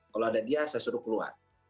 kalau ada dia saya suruh keluar